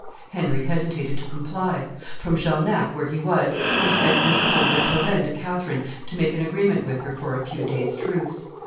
Henry hesitated to comply. From Jarnac, where he was, he sent Viscount de Turenne to Catherine to make an agreement with her for a few days' truce.